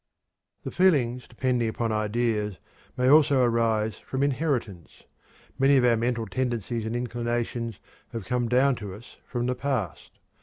The feelings depending upon ideas may also arise from inheritance. Many of our mental tendencies and inclinations have come down to us from the past.